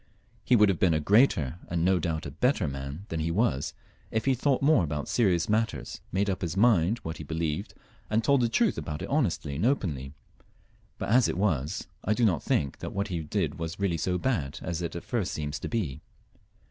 He would have been a greater and no doubt a better man than he was, if he had thought more about serious matters, made up his mind what he believed, and told the truth about it honestly and openly; but as it was, I do not think that what he did was really so bad as it at first seems to be.